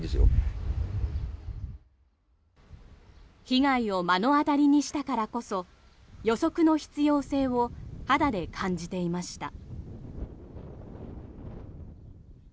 被害を目の当たりにしたからこそ予測の必要性を肌で感じていました。